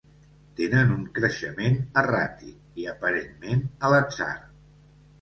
Tenen un creixement erràtic i, aparentment, a l'atzar.